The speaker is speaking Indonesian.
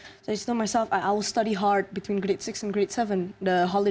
jadi saya tahu saya akan belajar dengan keras antara kelas enam dan kelas tujuh kelas pernikahan